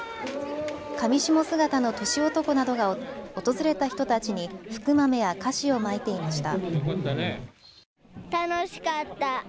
かみしも姿の年男などが訪れた人たちに福豆や菓子をまいていました。